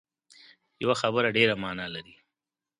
یوه خبره ډېره معنا لري